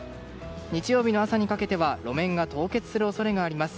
日曜日の朝にかけては路面が凍結する恐れがあります。